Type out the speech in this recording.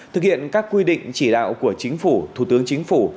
thực hiện các quy định chỉ đạo của chính phủ